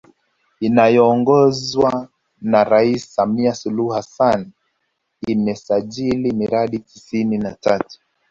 Inayoongozwa na Rais Samia Suluhu Hassan imesajili miradi tisini na tatu